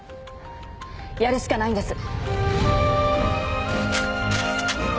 やるしかないんです。